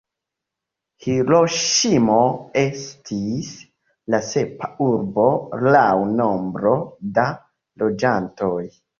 Hiroŝimo estis la sepa urbo laŭ nombro da loĝantoj.